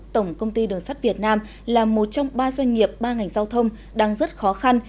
tổng công ty đường sắt việt nam là một trong ba doanh nghiệp ba ngành giao thông đang rất khó khăn